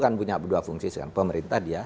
kan punya dua fungsi sekarang pemerintah dia